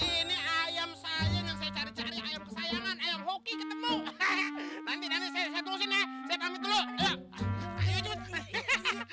ini ayam sayang yang saya cari cari air kesayangan air hoki ketemu nanti nanti seterusin ya setelah itu